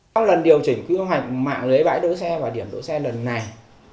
sau lần điều chỉnh quy hoạch mạng lưới bãi đỗ xe và điểm đỗ xe lần này